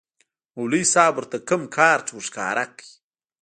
مولوي صاحب ورته کوم کارت ورښکاره کړ.